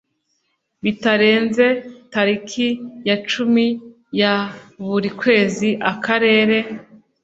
bitarenze tariki ya cumi ya buri kwezi akarere